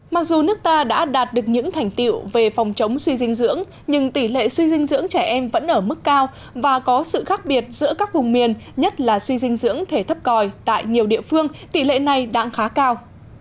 mặc dù nước ta đã đạt được những thành tiệu về phòng chống suy dinh dưỡng nhưng tỷ lệ suy dinh dưỡng trẻ em vẫn ở mức cao và có sự khác biệt giữa các vùng miền nhất là suy dinh dưỡng thể thấp còi tại nhiều địa phương tỷ lệ này đang khá cao